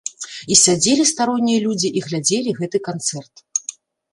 І сядзелі староннія людзі і глядзелі гэты канцэрт.